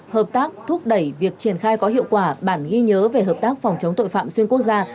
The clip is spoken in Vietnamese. hợp tác thúc đẩy việc triển khai có hiệu quả bản ghi nhớ về hợp tác phòng chống tội phạm xuyên quốc gia